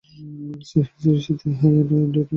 সিরিজটিতে high-end অ্যান্ড্রয়েড-চালিত smartphone রয়েছে।